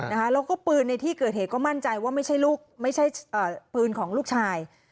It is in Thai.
แล้วก็ปืนในที่เกิดเหตุก็มั่นใจว่าไม่ใช่ลูกไม่ใช่ปืนของลูกชาย